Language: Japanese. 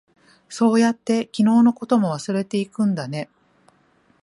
そうやって、昨日のことも忘れていくんだね。